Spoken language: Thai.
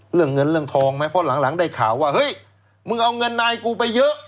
เรื่องเงินเรื่องทองไหมเพราะหลังได้ข่าวว่าเฮ้ยมึงเอาเงินนายกูไปเยอะ